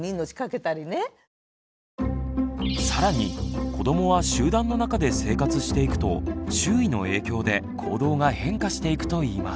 更に子どもは集団の中で生活していくと周囲の影響で行動が変化していくといいます。